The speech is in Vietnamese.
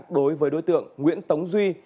đối với đối tượng nguyễn tống duy